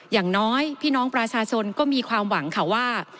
อย่างน้อยพี่น้องประชาชนก็มีความหวังค่ะว่า